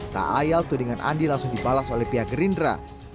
tak ayal tudingan andi langsung dibalas oleh pihak gerindra